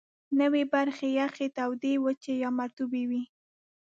نورې برخې یخي، تودې، وچي یا مرطوبې وې.